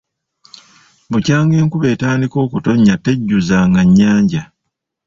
Bukyanga enkuba etandika kutonnya tejjuzanga nnyanja.